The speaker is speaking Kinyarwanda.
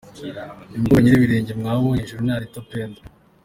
Uyu mukobwa nyir'ibirenge mwabonye hejuru ni Anita Pendo!.